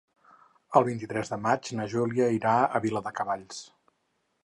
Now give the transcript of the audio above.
El vint-i-tres de maig na Júlia irà a Viladecavalls.